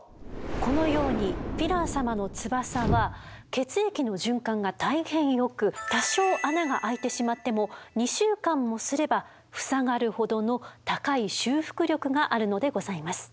このようにヴィラン様の翼は血液の循環が大変よく多少穴が開いてしまっても２週間もすれば塞がるほどの高い修復力があるのでございます。